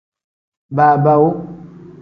Baabaawu.